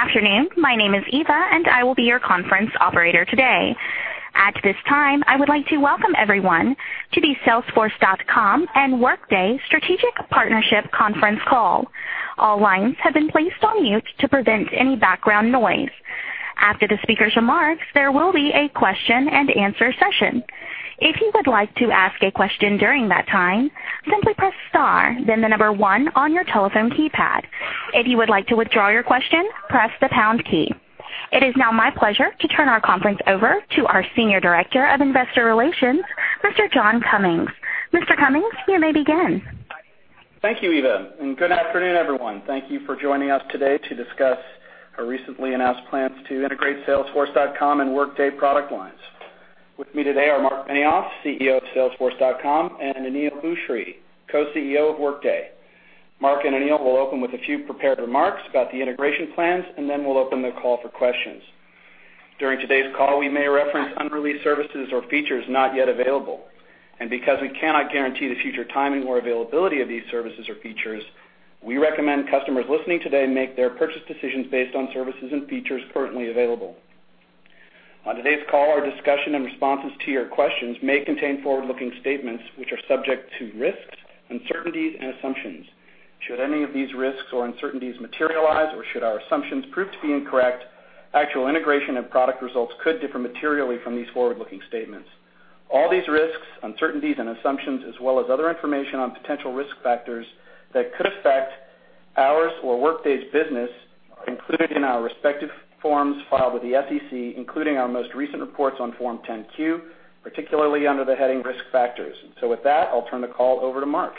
Good afternoon. My name is Eva, and I will be your conference operator today. At this time, I would like to welcome everyone to the Salesforce.com and Workday Strategic Partnership conference call. All lines have been placed on mute to prevent any background noise. After the speaker's remarks, there will be a question-and-answer session. If you would like to ask a question during that time, simply press star, then the number one on your telephone keypad. If you would like to withdraw your question, press the pound key. It is now my pleasure to turn our conference over to our Senior Director of Investor Relations, Mr. John Cummings. Mr. Cummings, you may begin. Thank you, Eva. Good afternoon, everyone. Thank you for joining us today to discuss our recently announced plans to integrate Salesforce.com and Workday product lines. With me today are Marc Benioff, CEO of Salesforce.com, and Aneel Bhusri, Co-CEO of Workday. Marc and Aneel will open with a few prepared remarks about the integration plans. Then we'll open the call for questions. During today's call, we may reference unreleased services or features not yet available. Because we cannot guarantee the future timing or availability of these services or features, we recommend customers listening today make their purchase decisions based on services and features currently available. On today's call, our discussion and responses to your questions may contain forward-looking statements which are subject to risks, uncertainties, and assumptions. Should any of these risks or uncertainties materialize, or should our assumptions prove to be incorrect, actual integration and product results could differ materially from these forward-looking statements. All these risks, uncertainties, and assumptions, as well as other information on potential risk factors that could affect ours or Workday's business, are included in our respective forms filed with the SEC, including our most recent reports on Form 10-Q, particularly under the heading Risk Factors. With that, I'll turn the call over to Marc.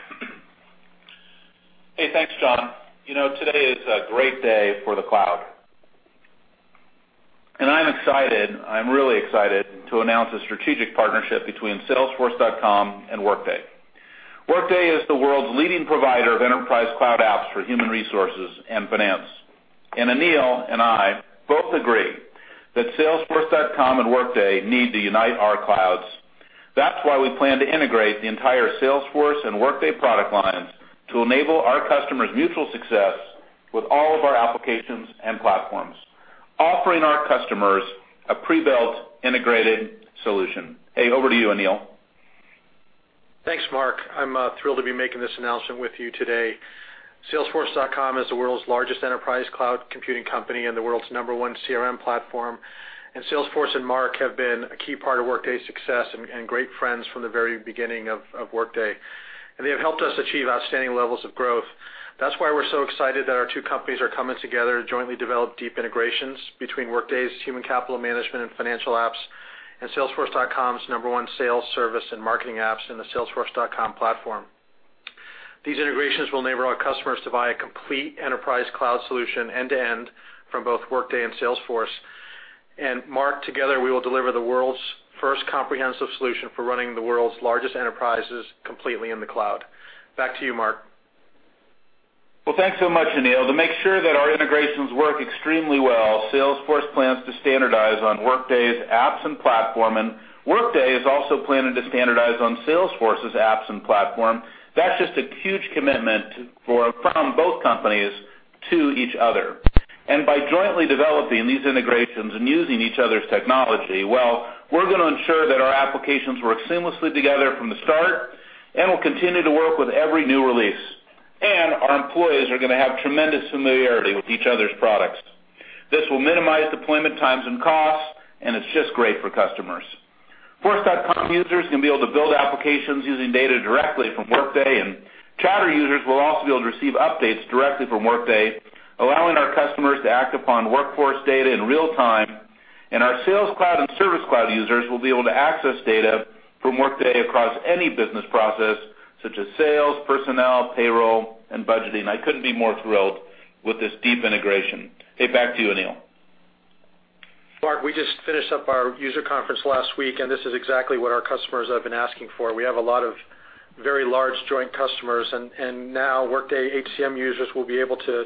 Hey, thanks, John. Today is a great day for the cloud. I'm really excited to announce a strategic partnership between Salesforce.com and Workday. Workday is the world's leading provider of enterprise cloud apps for human resources and finance. Aneel and I both agree that Salesforce.com and Workday need to unite our clouds. That's why we plan to integrate the entire Salesforce and Workday product lines to enable our customers mutual success with all of our applications and platforms, offering our customers a pre-built, integrated solution. Hey, over to you, Aneel. Thanks, Marc. I'm thrilled to be making this announcement with you today. Salesforce.com is the world's largest enterprise cloud computing company and the world's number one CRM platform. Salesforce and Marc have been a key part of Workday's success and great friends from the very beginning of Workday. They have helped us achieve outstanding levels of growth. That's why we're so excited that our two companies are coming together to jointly develop deep integrations between Workday's human capital management and financial apps and Salesforce.com's number one sales, service, and marketing apps in the Salesforce.com platform. These integrations will enable our customers to buy a complete enterprise cloud solution end to end from both Workday and Salesforce. Marc, together, we will deliver the world's first comprehensive solution for running the world's largest enterprises completely in the cloud. Back to you, Marc. Well, thanks so much, Aneel. To make sure that our integrations work extremely well, Salesforce plans to standardize on Workday's apps and platform. Workday is also planning to standardize on Salesforce's apps and platform. That's just a huge commitment from both companies to each other. By jointly developing these integrations and using each other's technology, well, we're going to ensure that our applications work seamlessly together from the start and will continue to work with every new release. Our employees are going to have tremendous familiarity with each other's products. This will minimize deployment times and costs, and it's just great for customers. Salesforce.com users are going to be able to build applications using data directly from Workday. Chatter users will also be able to receive updates directly from Workday, allowing our customers to act upon workforce data in real time. Our Sales Cloud and Service Cloud users will be able to access data from Workday across any business process, such as sales, personnel, payroll, and budgeting. I couldn't be more thrilled with this deep integration. Hey, back to you, Aneel. Marc, we just finished up our user conference last week. This is exactly what our customers have been asking for. We have a lot of very large joint customers. Now Workday HCM users will be able to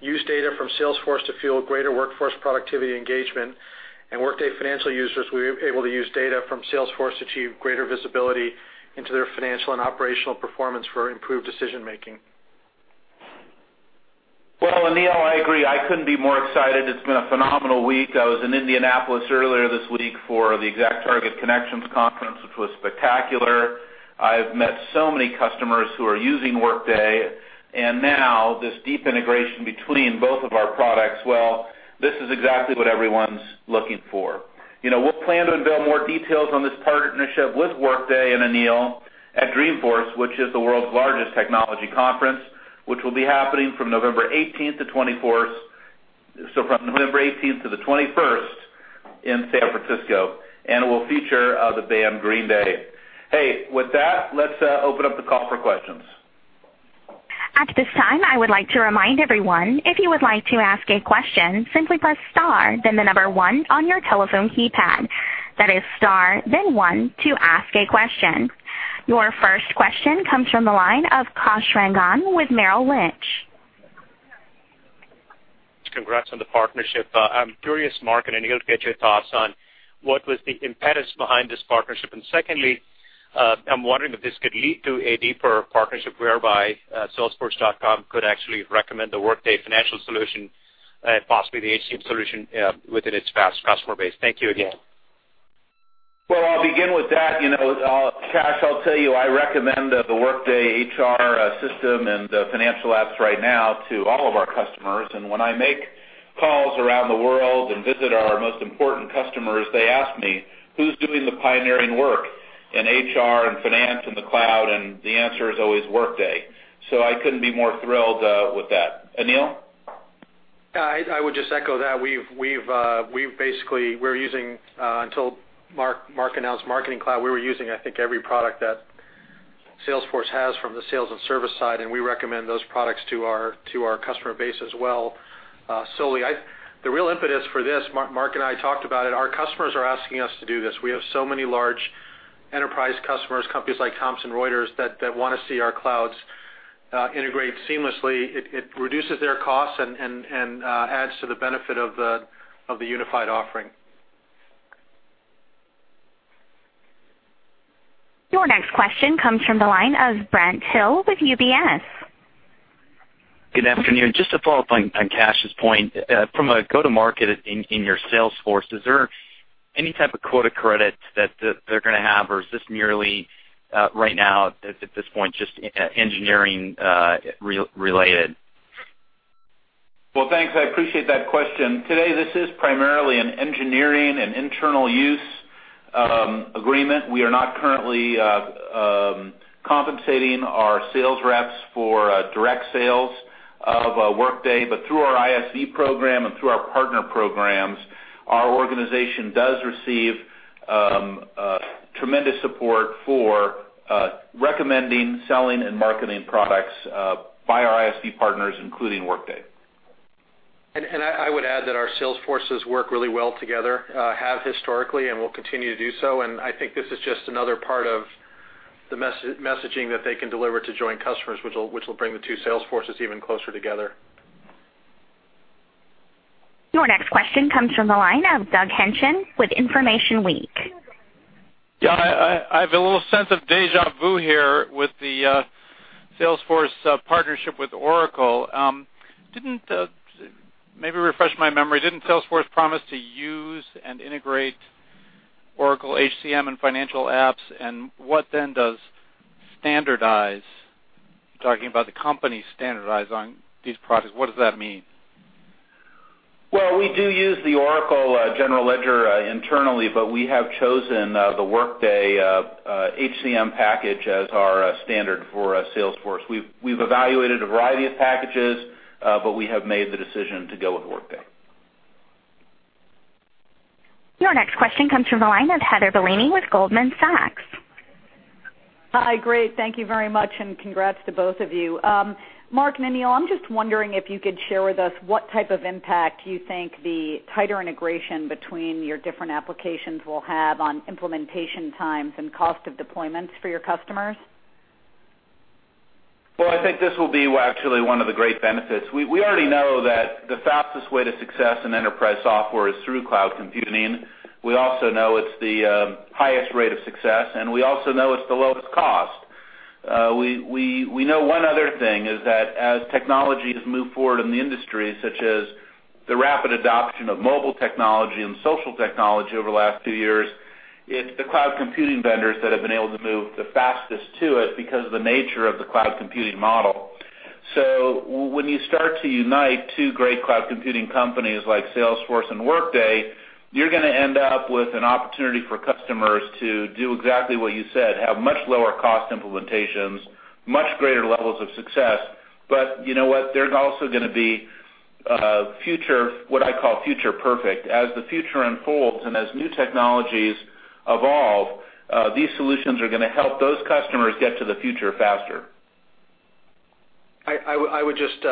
use data from Salesforce to fuel greater workforce productivity engagement. Workday financial users will be able to use data from Salesforce to achieve greater visibility into their financial and operational performance for improved decision-making. Well, Aneel, I agree. I couldn't be more excited. It's been a phenomenal week. I was in Indianapolis earlier this week for the ExactTarget Connections Conference, which was spectacular. I've met so many customers who are using Workday, and now this deep integration between both of our products, well, this is exactly what everyone's looking for. We'll plan to unveil more details on this partnership with Workday and Aneel at Dreamforce, which is the world's largest technology conference, which will be happening from November 18th to the 21st in San Francisco, and it will feature the band Green Day. Hey, with that, let's open up the call for questions. At this time, I would like to remind everyone, if you would like to ask a question, simply press star, then the number 1 on your telephone keypad. That is star, then 1 to ask a question. Your first question comes from the line of Kash Rangan with Merrill Lynch. Congrats on the partnership. I'm curious, Marc and Aneel, to get your thoughts on what was the impetus behind this partnership? Secondly, I'm wondering if this could lead to a deeper partnership whereby Salesforce.com could actually recommend the Workday financial solution and possibly the HCM solution within its vast customer base. Thank you again. Well, I'll begin with that. Kash, I'll tell you, I recommend the Workday HR system and the financial apps right now to all of our customers. When I make calls around the world and visit our most important customers, they ask me, who's doing the pioneering work in HR and finance in the cloud, and the answer is always Workday. I couldn't be more thrilled with that. Aneel? Yeah, I would just echo that. Until Marc announced Marketing Cloud, we were using, I think, every product that Salesforce has from the sales and service side, and we recommend those products to our customer base as well. The real impetus for this, Marc and I talked about it, our customers are asking us to do this. We have so many large enterprise customers, companies like Thomson Reuters, that want to see our clouds integrate seamlessly. It reduces their costs and adds to the benefit of the unified offering. Your next question comes from the line of Brent Thill with UBS. Good afternoon. Just to follow up on Kash's point, from a go to market in your sales force, is there any type of quota credit that they're going to have, or is this merely, right now, at this point, just engineering-related? Well, thanks. I appreciate that question. Today, this is primarily an engineering and internal use agreement. We are not currently compensating our sales reps for direct sales of Workday. Through our ISV program and through our partner programs, our organization does receive tremendous support for recommending, selling, and marketing products by our ISV partners, including Workday. I would add that our sales forces work really well together, have historically, and will continue to do so. I think this is just another part of the messaging that they can deliver to joint customers, which will bring the two sales forces even closer together. Your next question comes from the line of Doug Henschen with InformationWeek. Yeah. I have a little sense of deja vu here with the Salesforce partnership with Oracle. Maybe refresh my memory. Didn't Salesforce promise to use and integrate Oracle HCM and financial apps? What then does standardize, talking about the company standardize on these products, what does that mean? Well, we do use the Oracle general ledger internally, but we have chosen the Workday HCM package as our standard for Salesforce. We've evaluated a variety of packages, but we have made the decision to go with Workday. Your next question comes from the line of Heather Bellini with Goldman Sachs. Hi. Great. Thank you very much. Congrats to both of you. Marc and Aneel, I'm just wondering if you could share with us what type of impact you think the tighter integration between your different applications will have on implementation times and cost of deployments for your customers. Well, I think this will be actually one of the great benefits. We already know that the fastest way to success in enterprise software is through cloud computing. We also know it's the highest rate of success, and we also know it's the lowest cost. We know one other thing, is that as technology has moved forward in the industry, such as the rapid adoption of mobile technology and social technology over the last few years, it's the cloud computing vendors that have been able to move the fastest to it because of the nature of the cloud computing model. When you start to unite two great cloud computing companies like Salesforce and Workday, you're going to end up with an opportunity for customers to do exactly what you said, have much lower cost implementations, much greater levels of success. You know what? There's also going to be, what I call, future perfect. As the future unfolds and as new technologies evolve, these solutions are going to help those customers get to the future faster. I would just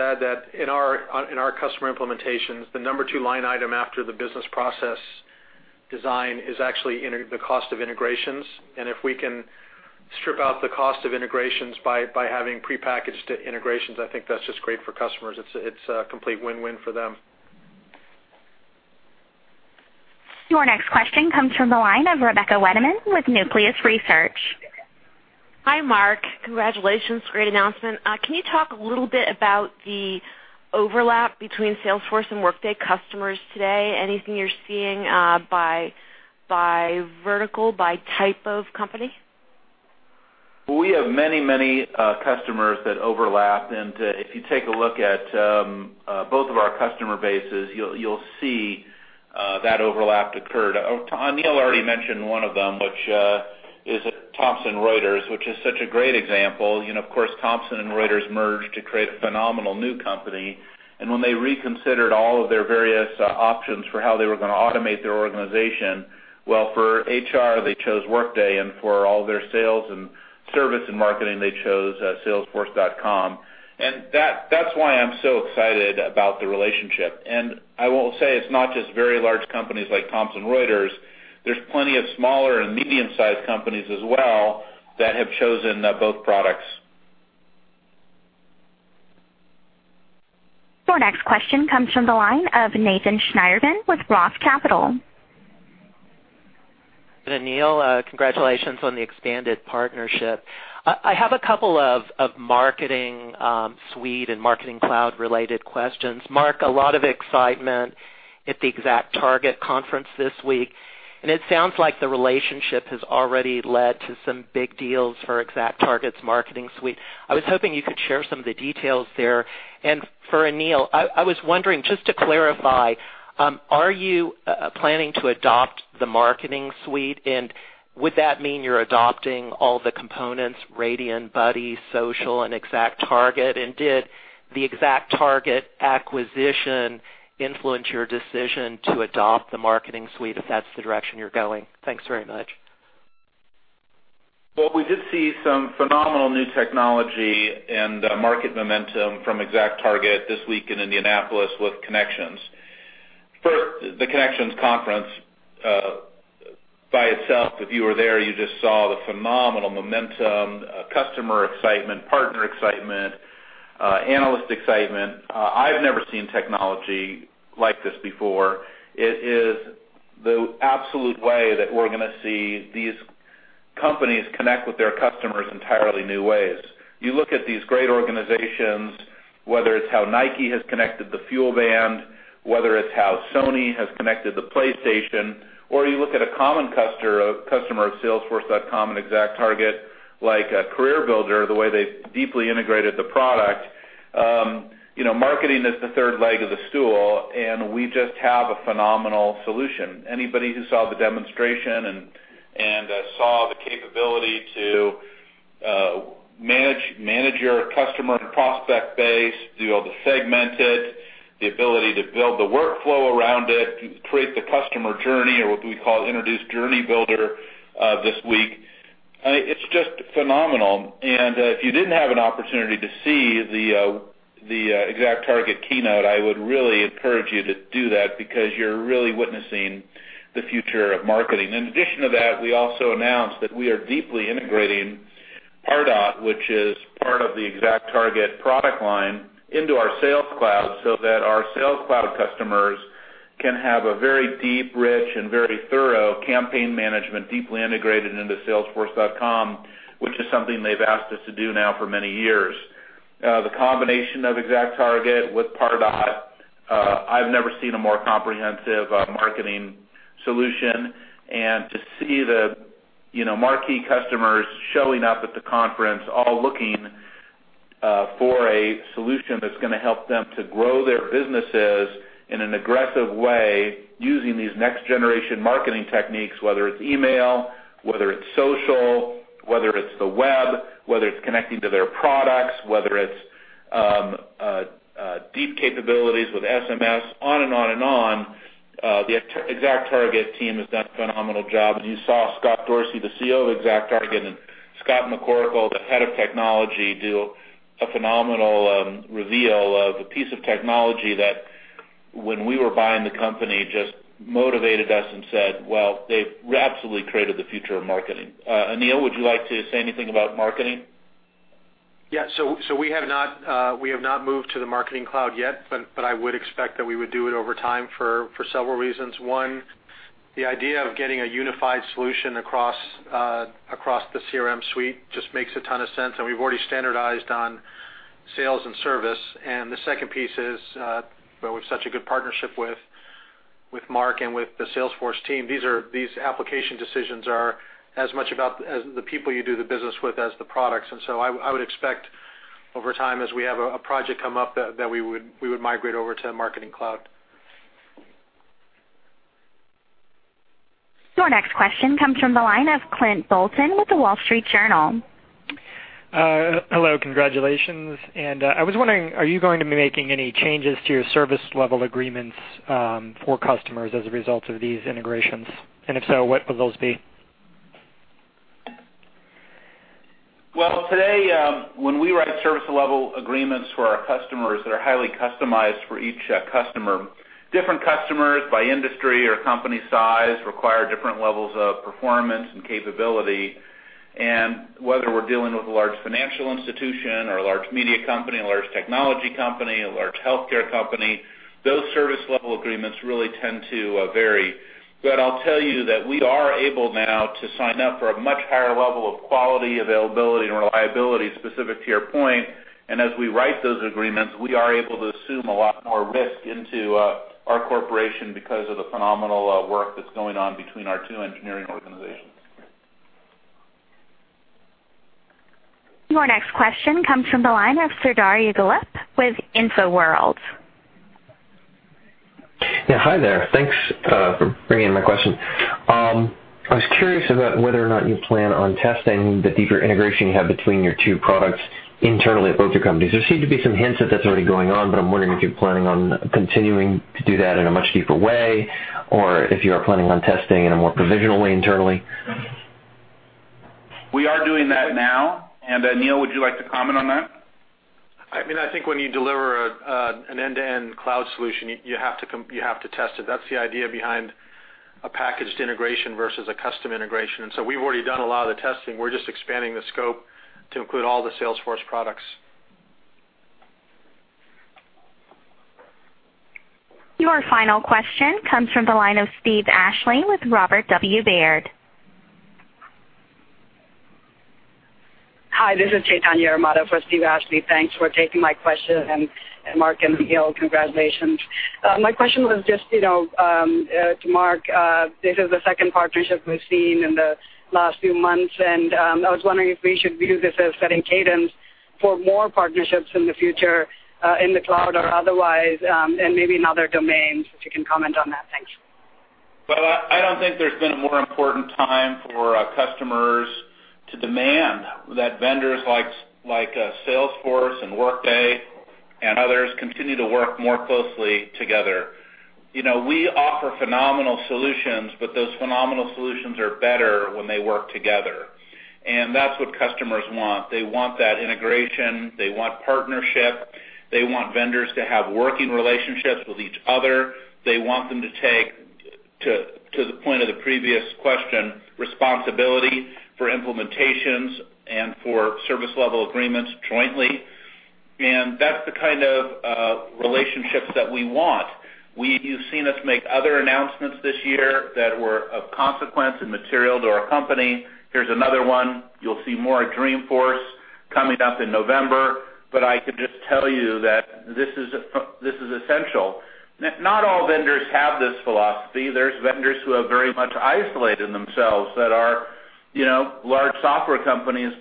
add that in our customer implementations, the number 2 line item after the business process design is actually the cost of integrations. If we can strip out the cost of integrations by having prepackaged integrations, I think that's just great for customers. It's a complete win-win for them. Your next question comes from the line of Rebecca Wettemann with Nucleus Research. Hi, Marc. Congratulations. Great announcement. Can you talk a little bit about the overlap between Salesforce and Workday customers today? Anything you're seeing by vertical, by type of company? We have many customers that overlap. If you take a look at both of our customer bases, you'll see that overlap occurred. Aneel already mentioned one of them, which is Thomson Reuters, which is such a great example. Of course, Thomson and Reuters merged to create a phenomenal new company. When they reconsidered all of their various options for how they were going to automate their organization, well, for HR, they chose Workday, and for all their sales and service and marketing, they chose salesforce.com. That's why I'm so excited about the relationship. I will say, it's not just very large companies like Thomson Reuters. There's plenty of smaller and medium-sized companies as well that have chosen both products. Your next question comes from the line of Nathan Schneiderman with Roth Capital. Aneel, congratulations on the expanded partnership. I have a couple of marketing suite and Marketing Cloud-related questions. Marc, a lot of excitement at the ExactTarget conference this week, and it sounds like the relationship has already led to some big deals for ExactTarget's marketing suite. I was hoping you could share some of the details there. For Aneel, I was wondering, just to clarify, are you planning to adopt the marketing suite, and would that mean you're adopting all the components, Radian6, Buddy Media, Social.com, and ExactTarget? Did the ExactTarget acquisition influence your decision to adopt the marketing suite, if that's the direction you're going? Thanks very much. Well, we did see some phenomenal new technology and market momentum from ExactTarget this week in Indianapolis with Connections. First, the Connections conference, by itself, if you were there, you just saw the phenomenal momentum, customer excitement, partner excitement, analyst excitement. I've never seen technology like this before. It is the absolute way that we're going to see these companies connect with their customers entirely new ways. You look at these great organizations, whether it's how Nike has connected the FuelBand, whether it's how Sony has connected the PlayStation, or you look at a common customer of salesforce.com and ExactTarget like CareerBuilder, the way they've deeply integrated the product. Marketing is the third leg of the stool, and we just have a phenomenal solution. Anybody who saw the demonstration and saw the capability to manage your customer and prospect base, do all the segmenting, the ability to build the workflow around it, create the customer journey, or what we call introduce Journey Builder this week, it's just phenomenal. If you didn't have an opportunity to see the ExactTarget keynote, I would really encourage you to do that because you're really witnessing the future of marketing. In addition to that, we also announced that we are deeply integrating Pardot, which is part of the ExactTarget product line, into our Sales Cloud so that our Sales Cloud customers can have a very deep, rich, and very thorough campaign management deeply integrated into salesforce.com, which is something they've asked us to do now for many years. The combination of ExactTarget with Pardot, I've never seen a more comprehensive marketing solution. To see the marquee customers showing up at the conference, all looking for a solution that's going to help them to grow their businesses in an aggressive way using these next-generation marketing techniques, whether it's email, whether it's social, whether it's the web, whether it's connecting to their products, whether it's deep capabilities with SMS, on and on. The ExactTarget team has done a phenomenal job. You saw Scott Dorsey, the CEO of ExactTarget, and Scott McCorkle, the Head of Technology, do a phenomenal reveal of a piece of technology that, when we were buying the company, just motivated us and said, "Well, they've absolutely created the future of marketing." Aneel, would you like to say anything about marketing? Yes. We have not moved to the Marketing Cloud yet, but I would expect that we would do it over time for several reasons. One, the idea of getting a unified solution across the CRM suite just makes a ton of sense, and we've already standardized on sales and service. The second piece is, with such a good partnership with Marc and with the Salesforce team, these application decisions are as much about the people you do the business with as the products. I would expect over time as we have a project come up, that we would migrate over to Marketing Cloud. Your next question comes from the line of Clint Boulton with The Wall Street Journal. Hello. Congratulations. I was wondering, are you going to be making any changes to your service level agreements for customers as a result of these integrations? If so, what would those be? Well, today, when we write service level agreements for our customers that are highly customized for each customer, different customers by industry or company size require different levels of performance and capability. Whether we're dealing with a large financial institution or a large media company, a large technology company, a large healthcare company, those service level agreements really tend to vary. I'll tell you that we are able now to sign up for a much higher level of quality, availability, and reliability specific to your point. As we write those agreements, we are able to assume a lot more risk into our corporation because of the phenomenal work that's going on between our two engineering organizations. Your next question comes from the line of Serdar Yegulalp with InfoWorld. Yeah, hi there. Thanks for bringing in my question. I was curious about whether or not you plan on testing the deeper integration you have between your two products internally at both your companies. There seem to be some hints that that's already going on, I'm wondering if you're planning on continuing to do that in a much deeper way, or if you are planning on testing in a more provisional way internally. We are doing that now. Aneel, would you like to comment on that? I think when you deliver an end-to-end cloud solution, you have to test it. That's the idea behind A packaged integration versus a custom integration. We've already done a lot of the testing. We're just expanding the scope to include all the Salesforce products. Your final question comes from the line of Steve Ashley with Robert W. Baird. Hi, this is Chetan Ramada for Steve Ashley. Thanks for taking my question, and Marc and Aneel, congratulations. My question was just, to Marc, this is the second partnership we've seen in the last few months, and I was wondering if we should view this as setting cadence for more partnerships in the future, in the cloud or otherwise, and maybe in other domains, if you can comment on that. Thanks. I don't think there's been a more important time for our customers to demand that vendors like Salesforce and Workday and others continue to work more closely together. We offer phenomenal solutions, but those phenomenal solutions are better when they work together. That's what customers want. They want that integration. They want partnership. They want vendors to have working relationships with each other. They want them to take, to the point of the previous question, responsibility for implementations and for service level agreements jointly. That's the kind of relationships that we want. You've seen us make other announcements this year that were of consequence and material to our company. Here's another one. You'll see more at Dreamforce coming up in November. I can just tell you that this is essential. Not all vendors have this philosophy. There's vendors who have very much isolated themselves that are large software companies.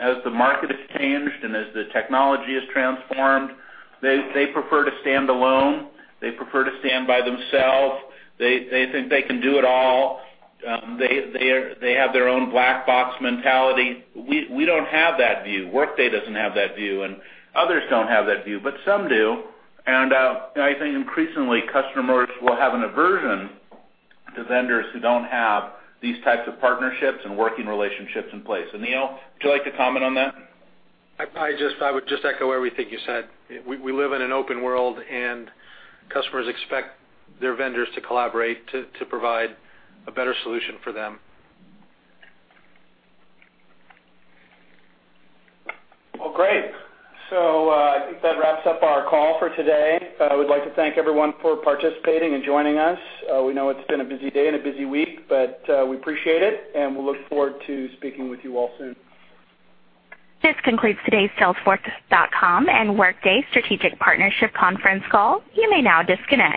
As the market has changed and as the technology has transformed, they prefer to stand alone. They prefer to stand by themselves. They think they can do it all. They have their own black box mentality. We don't have that view. Workday doesn't have that view, and others don't have that view, but some do. I think increasingly, customers will have an aversion to vendors who don't have these types of partnerships and working relationships in place. Aneel, would you like to comment on that? I would just echo everything you said. We live in an open world, and customers expect their vendors to collaborate to provide a better solution for them. Great. I think that wraps up our call for today. I would like to thank everyone for participating and joining us. We know it's been a busy day and a busy week, but we appreciate it, and we'll look forward to speaking with you all soon. This concludes today's Salesforce.com and Workday Strategic Partnership conference call. You may now disconnect.